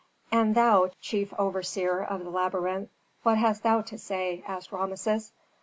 "And thou, chief overseer of the labyrinth, what hast thou to say?" asked Rameses.